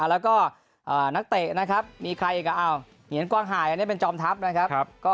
แล้วก็นักเตะนะครับมีใครอีกเหียนกว้างหายอันนี้เป็นจอมทัพนะครับ